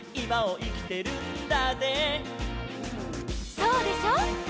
「そうでしょ？」